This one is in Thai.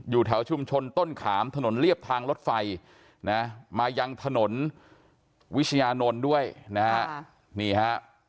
อยู่แถวชุมชนต้นขามถนนเรียบทางรถไฟนะมายังถนนวิชญานนท์ด้วยนะฮะนี่ฮะ